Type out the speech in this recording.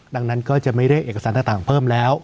ดังนั้นก็จะไม่เรียกเอกสารต่างเพิ่มแล้ว